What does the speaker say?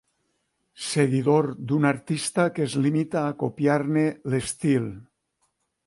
Seguidor d'un artista que es limita a copiar-ne l'estil.